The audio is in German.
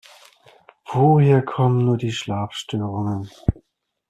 Woher kommen nur die Schlafstörungen?